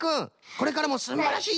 これからもすんばらしい